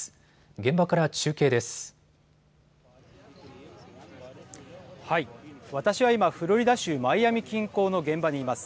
現場から中継です。